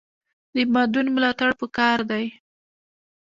د مادون ملاتړ پکار دی